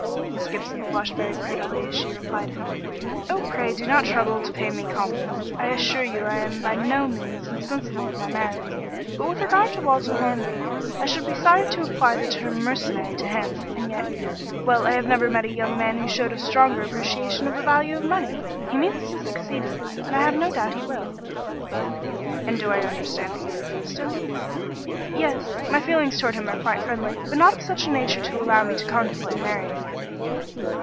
Miss Gibson flushed very prettily as she replied "Oh, pray do not trouble to pay me compliments; I assure you I am by no means insensible of my merits. But with regard to Walter Hornby, I should be sorry to apply the term 'mercenary' to him, and yet well, I have never met a young man who showed a stronger appreciation of the value of money. He means to succeed in life and I have no doubt he will." "And do I understand that you refused him?" "Yes. My feelings towards him are quite friendly, but not of such a nature as to allow me to contemplate marrying him."